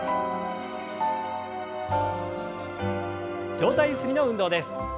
上体ゆすりの運動です。